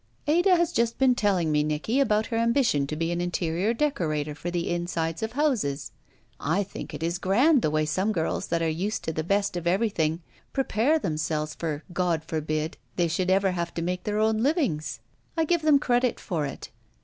"Ada has just been telling me, Nicky, about her ambition to be an interior decorator for the insides of houses. I think it is grand the way some girls that are used to the best of everjrthing prepare themselves for, God forbid, they should ever have to make their own livings. I give them credit for it.